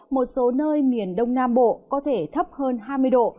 một số nơi miền đông nam bộ có thể thấp hơn hai mươi độ